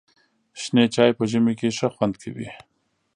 شنې چای په ژمي کې ښه خوند کوي.